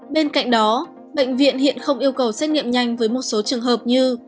bên cạnh đó bệnh viện hiện không yêu cầu xét nghiệm nhanh với một số trường hợp như